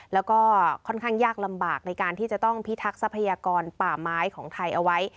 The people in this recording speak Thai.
แล้วก็ค่อนข้างยากลำบากในการที่จะต้องพิทักษัพยากรป่าไม้ของไทยเอาไว้